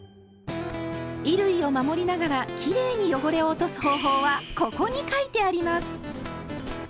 衣類を守りながらきれいに汚れを落とす方法は「ここ」に書いてあります！